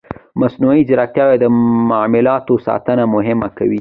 مصنوعي ځیرکتیا د معلوماتو ساتنه مهمه کوي.